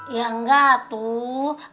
ya enggak tuh